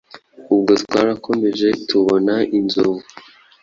Ubwo twarakomeje tubona inzovu,